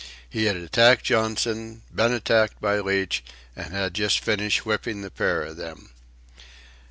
He had attacked Johnson, been attacked by Leach, and had just finished whipping the pair of them.